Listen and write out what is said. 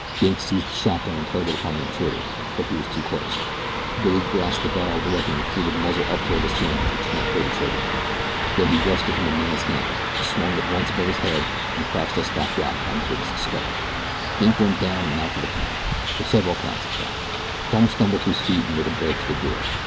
Dink seized the shotgun and turned it upon the intruder; but he was too close. Billy grasped the barrel of the weapon and threw the muzzle up toward the ceiling as the tramp pulled the trigger. Then he wrenched it from the man's hands, swung it once above his head and crashed the stock down upon Dink's skull. Dink went down and out for the count for several counts, in fact. Crumb stumbled to his feet and made a break for the door.